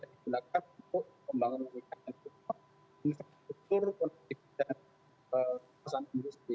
digunakan untuk pembangunan infrastruktur konektivitas dan pasan industri